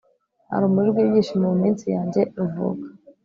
nta rumuri rw'ibyishimo mu minsi yanjye ruvuka